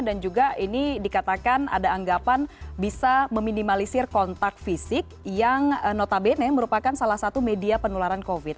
dan juga ini dikatakan ada anggapan bisa meminimalisir kontak fisik yang notabene merupakan salah satu media penularan covid